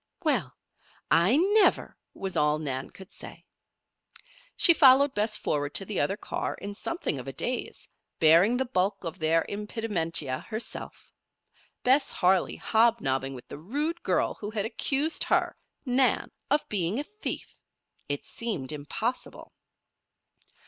"Well! I never!" was all Nan could say. She followed Bess forward to the other car in something of a daze, bearing the bulk of their impedimenta herself. Bess Harley hobnobbing with the rude girl who had accused her, Nan, of being a thief! It seemed impossible.